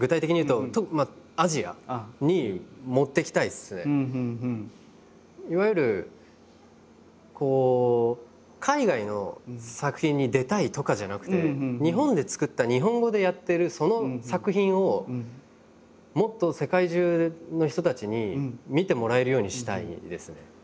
やっぱりいわゆるこう海外の作品に出たいとかじゃなくて日本で作った日本語でやってるその作品をもっと世界中の人たちに見てもらえるようにしたいですね。